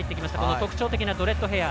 特徴的なドレッドヘア。